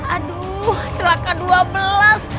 aduh celaka dua belas